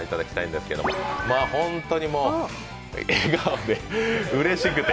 本当にもう笑顔で、うれしくて。